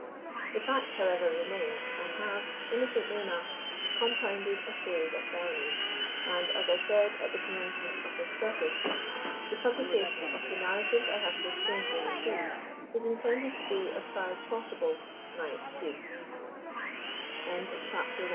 The fact, however, remains, I have, innocently enough, compounded a series of felonies, and, as I said at the commencement of this preface, the publication of the narrative I have so strangely received is intended to be, as far as possible, my excuse. *CHAPTER II.